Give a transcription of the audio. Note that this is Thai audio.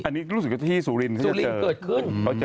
อันนี้ก็รู้สึกว่าที่ซูลิณเจอ